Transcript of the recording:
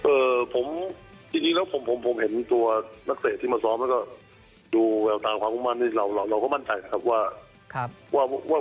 เอ่อจริงแล้วผมเห็นตัวนักเศษที่มาซ้อมแล้วก็ดูแบบตามความคงบ้านนี่เราก็มั่นใจนะครับว่า